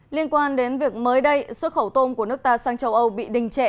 liên quan đến việc mới đây xuất khẩu tôm của nước ta sang châu âu bị đình trệ